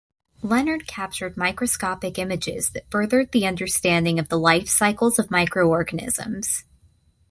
Leonard captured microscopic images that furthered the understanding of the life cycles of microorganisms.